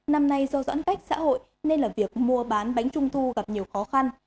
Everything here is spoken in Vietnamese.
năm nay do giãn cách xã hội nên là việc mua bán bánh trung thu gặp nhiều khó khăn